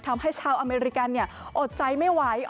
ทำให้ชาวอเมริกันอดใจไม่ไหว